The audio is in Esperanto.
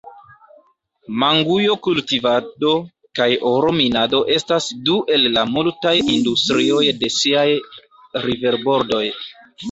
Mangujo-kultivado kaj oro-minado estas du el la multaj industrioj de siaj riverbordoj.